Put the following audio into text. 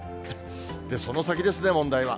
その先ですね、問題は。